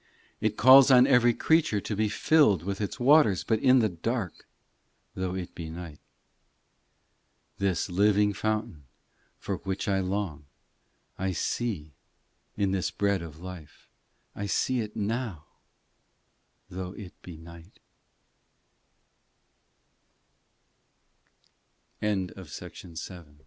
IX It calls on every creature to be filled With its waters, but in the dark, Though it be night. x This living fountain for which I long I see in this Bread of life, I see it now, Tho